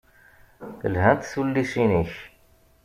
Lhant tullisin-ik.